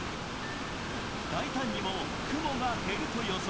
大胆にも雲が減ると予想。